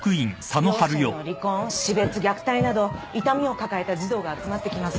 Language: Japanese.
両親の離婚死別虐待など痛みを抱えた児童が集まってきます。